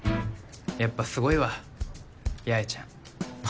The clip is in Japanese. やっぱすごいわ八重ちゃん。何？